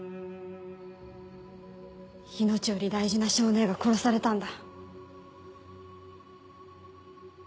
命より大事な象姉が殺されたんだ。